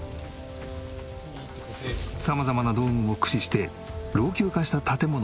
様々な道具を駆使して老朽化した建物を支える一番